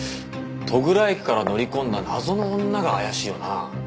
戸倉駅から乗り込んだ謎の女が怪しいよな。